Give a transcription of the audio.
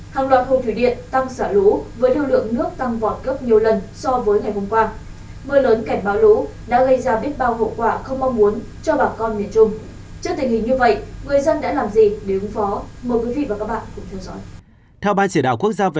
hàng loạt hồ thủy điện tăng xả lũ với thư lượng nước tăng vọt gấp nhiều lần so với ngày hôm qua